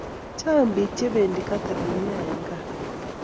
chang pik che pendi katholik nea en gaa